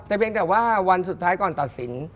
แต่เพียงแต่ว่าวันสุดท้ายก่อนตัดสิน